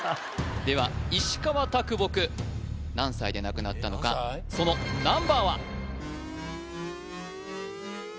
では石川啄木何歳で亡くなったのかそのナンバーは？